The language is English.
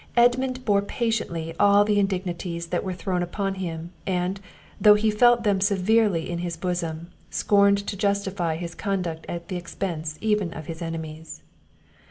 Edmund bore patiently all the indignities that were thrown upon him; and, though he felt them severely in his bosom, scorned to justify his conduct at the expence even of his enemies.